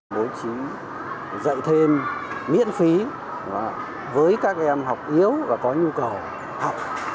đối chí dạy thêm miễn phí với các em học yếu và có nhu cầu học